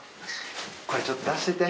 これちょっと出しといて。